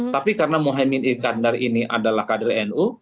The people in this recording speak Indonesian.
tapi karena mohamid iskandar ini adalah kader nu